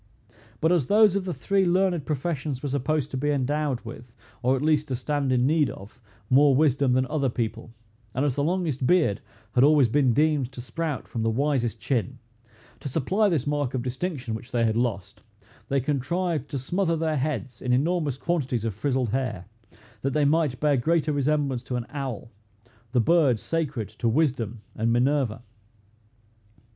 But as those of the three learned professions were supposed to be endowed with, or at least to stand in need of, more wisdom than other people, and as the longest beard had always been deemed to sprout from the wisest chin, to supply this mark of distinction, which they had lost, they contrived to smother their heads in enormous quantities of frizzled hair, that they might bear greater resemblance to an owl, the bird sacred to wisdom and Minerva.